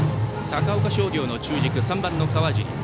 高岡商業の中軸３番の川尻。